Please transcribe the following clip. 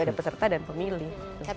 ada peserta dan pemilih